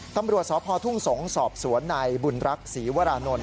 ตำรวจสอบภอทุ่งสงศ์สอบสวนในบุญรักษีวรานนท์